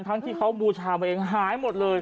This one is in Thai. ทั้งที่เขาบูชามาเองหายหมดเลย